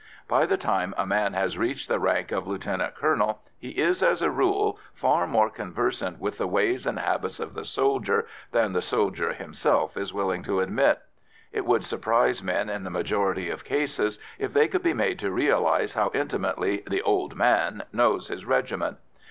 By the time a man has reached the rank of lieutenant colonel he is, as a rule, far more conversant with the ways and habits of the soldier than the soldier himself is willing to admit. It would surprise men, in the majority of cases, if they could be made to realise how intimately the "old man" knows his regiment.